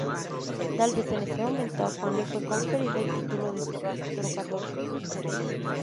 Tal vez en este momento a Juan le fue conferido el título de sebastocrátor.